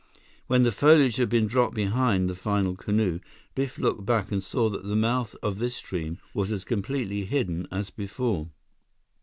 When the foliage had been dropped behind the final canoe, Biff looked back and saw that the mouth of this stream was as completely hidden as before.